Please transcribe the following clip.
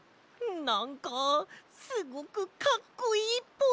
なんかすごくかっこいいっぽい！